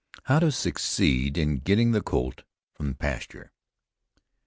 HOW TO SUCCEED IN GETTING THE COLT FROM PASTURE.